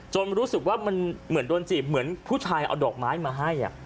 รู้สึกว่ามันเหมือนโดนจีบเหมือนผู้ชายเอาดอกไม้มาให้